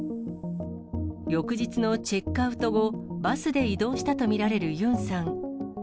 翌日のチェックアウト後、バスで移動したと見られるユンさん。